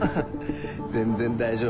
全然大丈夫。